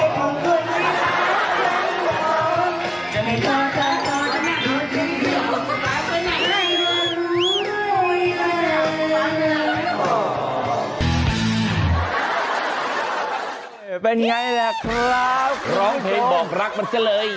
เป็นอย่างไรล่ะครับคุณโตร้องเพลงบอกรักมันเชื่อเลย